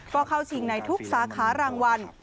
ก็เข้าชิงในทุกสาขารางวัล